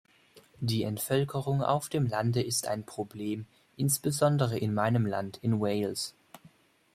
Die Entvölkerung auf dem Lande ist ein Problem, insbesondere in meinem Land, in Wales.